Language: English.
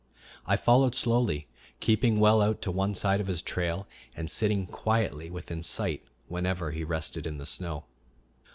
I followed slowly, keeping well out to one side of his trail, and sitting quietly within sight whenever he rested in the snow.